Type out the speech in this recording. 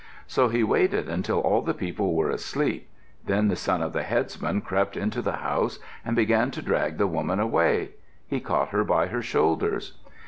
So he waited until all the people were asleep. Then the son of the headsman crept into the house and began to drag the woman away. He caught her by her shoulders.